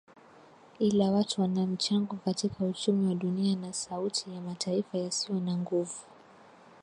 ila watu wanamchango katika uchumi wa dunia na sauti ya mataifa yasio na nguvu